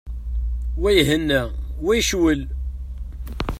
Wa ihenna, wa icewwel.